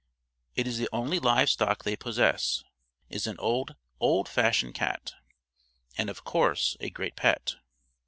It is the only live stock they possess, is an old old fashioned cat, and of course a great pet.